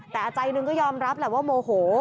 แต่ใจหนึ่งก็ยอมรับแหละว่าโมโห